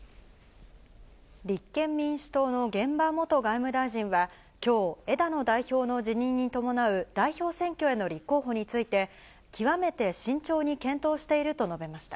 立憲民主党の玄葉元外務大臣は、きょう、枝野代表の辞任に伴う代表選挙への立候補について、極めて慎重に検討していると述べました。